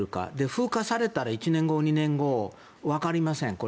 風化されたら１年後、２年後わかりません。